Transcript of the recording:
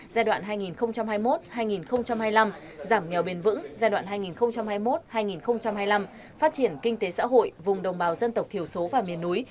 giai đoạn hai nghìn hai mươi một hai nghìn hai mươi năm giảm nghèo bền vững giai đoạn hai nghìn hai mươi một hai nghìn hai mươi năm phát triển kinh tế xã hội vùng đồng bào dân tộc thiểu số và miền núi